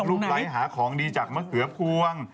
รูปไรหาของดีจากมะเขือพร่วง